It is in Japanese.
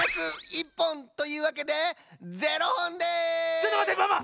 ちょっとまってママ！